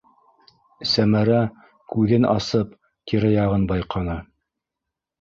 - Сәмәрә, күҙен асып, тирә-яғын байҡаны.